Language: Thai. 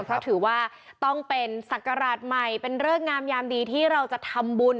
เพราะถือว่าต้องเป็นศักราชใหม่เป็นเริกงามยามดีที่เราจะทำบุญ